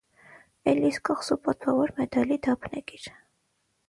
Էլլիս կղզու պատվավոր մեդալի դափնեկիր։